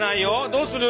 どうする？